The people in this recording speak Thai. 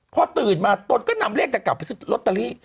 พอตื่นมาตนก็นำเลขกับกล่าวไปรถตาลี